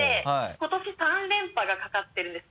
今年３連覇がかかってるんです